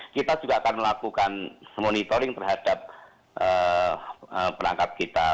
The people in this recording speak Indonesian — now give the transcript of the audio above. kita juga akan melakukan monitoring terhadap perangkat kita